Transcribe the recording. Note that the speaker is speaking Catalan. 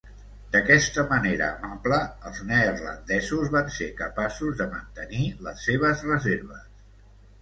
D'aquesta manera amable els neerlandesos van ser capaços de mantenir les seves reserves.